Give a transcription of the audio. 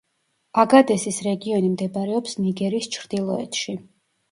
აგადესის რეგიონი მდებარეობს ნიგერის ჩრდილოეთში.